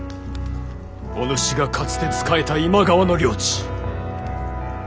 お主がかつて仕えた今川の領地。